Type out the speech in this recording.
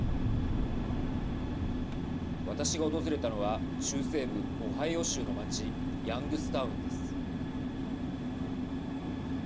私が訪れたのは中西部オハイオ州の街ヤングスタウンです。